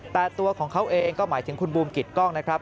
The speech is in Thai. แต่ตัวของเขาเองก็หมายถึงคุณบูมกิตกล้องนะครับ